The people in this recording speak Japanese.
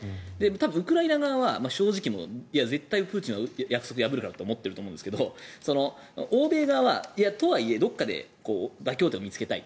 多分ウクライナ側は正直絶対プーチンは約束を破るからと思っていると思いますが欧米側はとはいえ、どこかで妥協点を見つけたい。